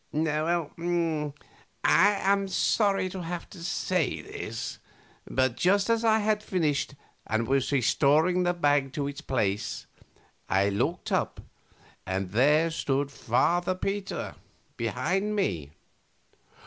A. I am sorry to have to say this, but just as I had finished and was restoring the bag to its place, I looked up and there stood Father Peter behind me.